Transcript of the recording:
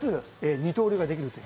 二刀流ができる。